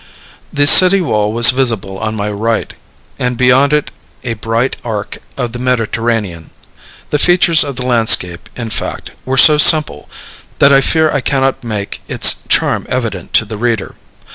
The city wall was visible on my right, and beyond it a bright arc of the Mediterranean. The features of the landscape, in fact, were so simple, that I fear I cannot make its charm evident to the reader.